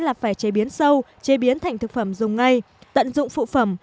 là phải chế biến sâu chế biến thành thực phẩm dùng ngay tận dụng phụ phẩm